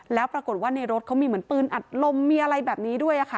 แล้วปรากฏว่าในรถเขามีเหมือนปืนอัดลมมีอะไรแบบนี้ด้วยค่ะ